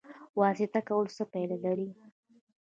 واسطه کول څه پایله لري؟